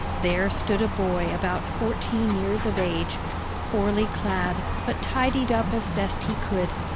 There stood a boy about fourteen years of age, poorly clad, but tidied up as best he could.